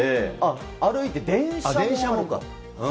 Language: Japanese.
歩いて電車も。